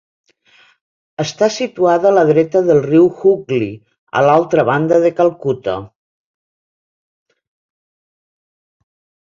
Està situada a la dreta del riu Hooghly, a l'altra banda de Calcuta.